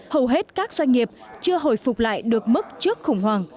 hầu hết các doanh nghiệp chưa hồi phục lại được mức trước khủng hoảng